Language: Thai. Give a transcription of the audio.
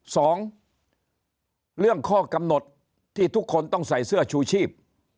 สองเรื่องข้อกำหนดที่ทุกคนต้องใส่เสื้อชูชีพ